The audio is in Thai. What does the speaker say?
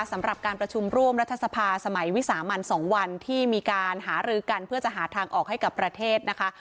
สำหรับการประชุมร่วมรัฐสภาสมัยวิสามัน๒วันที่มีการหารือกันเพื่อจะหาทางออกให้กับประเทศนะคะ